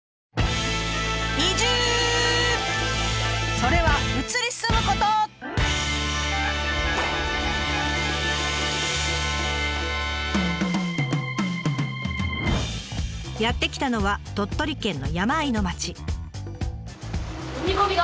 それはやって来たのは鳥取県の山あいの町。